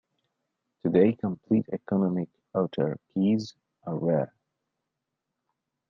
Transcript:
Today, complete economic autarkies are rare.